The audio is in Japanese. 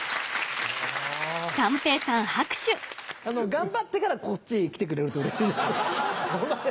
頑張ってからこっちへ来てくれるとうれしい。